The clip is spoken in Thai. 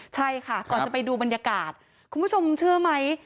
ใช่ค่ะก่อนจะไปดูบรรยากาศคุณผู้ชมเชื่อไหม